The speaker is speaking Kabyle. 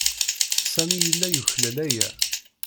Sami yella yuklal aya.